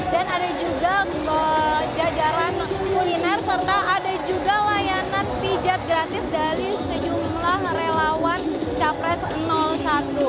dan ada juga jajaran kuliner serta ada juga layanan pijat gratis dari sejumlah relawan capres satu